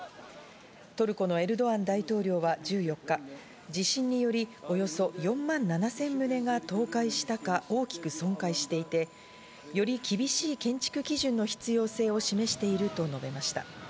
トルコのエルドアン大統領は１４日、地震によりおよそ４万７０００棟が倒壊したか大きく損壊していて、より厳しい建築基準の必要性を示していると述べました。